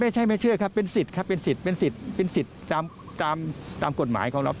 ไม่ใช่ไม่เชื่อครับเป็นสิทธิ์ปืนสิทธิ์ตามกฎหมายของเรา